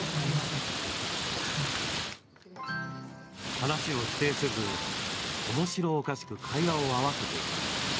話を否定せずおもしろおかしく会話を合わせていく。